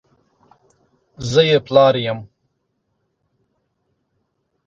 زه یې پلار یم !